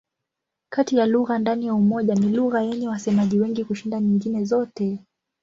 Kati ya lugha ndani ya Umoja ni lugha yenye wasemaji wengi kushinda nyingine zote.